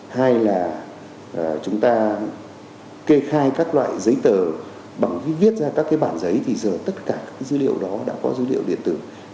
hai là chúng ta kê khai các loại giấy tờ bằng cái viết ra các cái bản giấy thì giờ tất cả các dữ liệu đó đã có dữ liệu điện tử